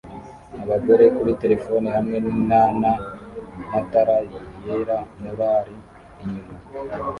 Abagore kuri terefone hamwe nana matara yera mural inyuma